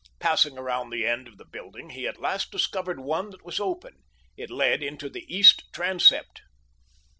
Passing around the end of the building, he at last discovered one that was open—it led into the east transept.